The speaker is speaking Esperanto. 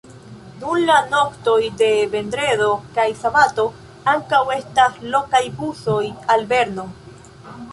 Dum la noktoj de vendredo kaj sabato ankaŭ estas lokaj busoj al Berno.